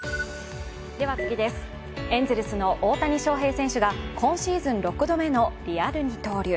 エンゼルスの大谷翔平選手が今シーズン６度目のリアル二刀流。